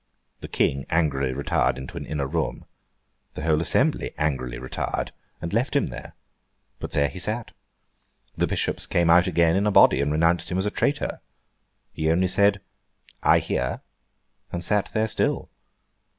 The King angrily retired into an inner room. The whole assembly angrily retired and left him there. But there he sat. The Bishops came out again in a body, and renounced him as a traitor. He only said, 'I hear!' and sat there still.